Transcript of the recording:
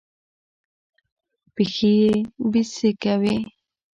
پښې يې بېسېکه وې.